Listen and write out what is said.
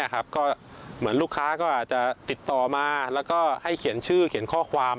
ก็เหมือนลูกค้าก็อาจจะติดต่อมาแล้วก็ให้เขียนชื่อเขียนข้อความ